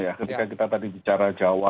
ya ketika kita tadi bicara jawa